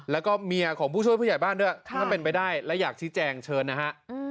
แล้วก็เมียของผู้ช่วยผู้ใหญ่บ้านด้วยถ้าเป็นไปได้และอยากชี้แจงเชิญนะฮะ